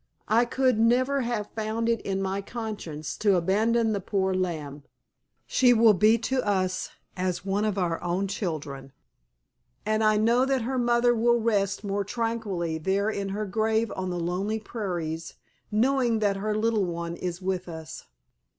"I could never have found it in my conscience to abandon the poor lamb. She will be to us as one of our own children, and I know that her mother will rest more tranquilly there in her grave on the lonely prairies knowing that her little one is with us.